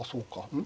うん？